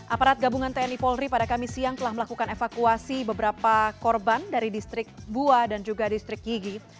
aparat gabungan tni polri pada kami siang telah melakukan evakuasi beberapa korban dari distrik bua dan juga distrik yigi